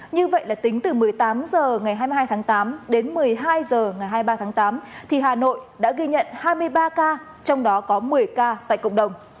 như vậy là tính từ một mươi tám h ngày hai mươi hai tháng tám đến một mươi hai h ngày hai mươi ba tháng tám thì hà nội đã ghi nhận hai mươi ba ca trong đó có một mươi ca tại cộng đồng